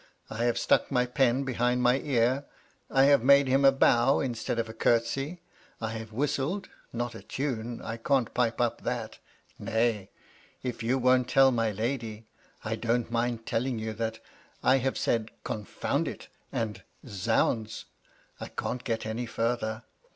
I have stuck my pen behind my ear, I have made him a bow instead of a curtsey, I have whistled — not a tune, I can't pipe up that — nay, if you won't tell my lady, I don't mind telling you that I have said ' Confound it I' and ' Zounds !' I can't get any farther.